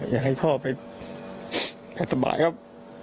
อยากให้พ่อไปให้สบายครับ